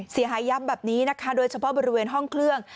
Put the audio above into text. เสียหายย้ำแบบนี้นะคะโดยเฉพาะบริเวณห้องเครื่อง